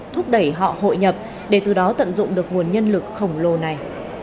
thúc đẩy họ hội nhập để từ đó tận dụng được nguồn nhân lực khổng lồ này